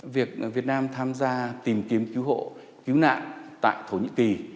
việc việt nam tham gia tìm kiếm cứu hộ cứu nạn tại thổ nhĩ kỳ